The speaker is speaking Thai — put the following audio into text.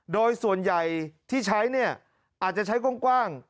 โดยส่วนใหญ่ที่ใช้เนี่ยอาจจะใช้กว้าง